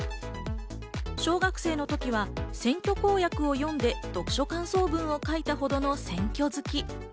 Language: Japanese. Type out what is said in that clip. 小学生のときには選挙公約を読んで読書感想文を書いたほどの選挙好き。